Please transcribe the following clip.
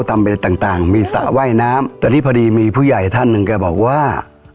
ตำเป็นอะไรต่างต่างมีสระว่ายน้ำแต่ที่พอดีมีผู้ใหญ่ท่านหนึ่งก็บอกว่า